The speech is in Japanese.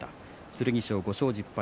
剣翔、５勝１０敗。